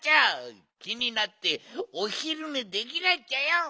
きになっておひるねできないっちゃよ！